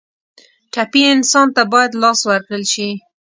ټپي انسان ته باید لاس ورکړل شي.